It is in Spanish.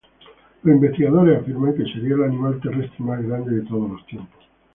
Los investigadores afirman que sería el animal terrestre más grande de todos los tiempos.